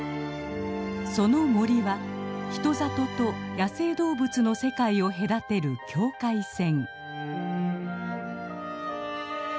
その森は人里と野生動物の世界を隔てる境界線。